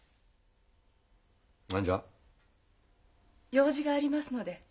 用事がありますので。